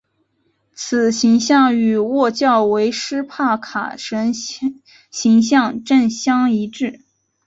此形象与祆教维施帕卡神形像正相一致。